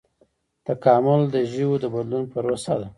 تکامل د ژویو د بدلون پروسه ده